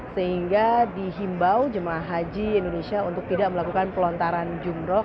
sehingga dihimbau jemaah haji indonesia untuk tidak melakukan pelontaran jumroh